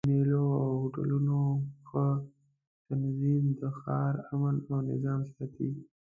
د مېلو او هوټلونو ښه تنظیم د ښار امن او نظم ساتي.